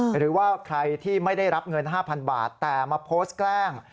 หรือว่าใครที่ไม่ได้รับเงิน๕๐๐บาทแต่มาโพสต์แกล้ง